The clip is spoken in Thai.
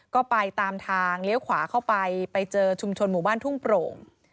ก็ไปตามทางเลี้ยวขวาเข้าไปไปเจอชุมชนหมู่บ้านทุ่งโปร่ง